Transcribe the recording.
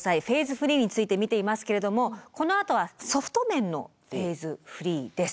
フリーについて見ていますけれどもこのあとはソフト面のフェーズフリーです。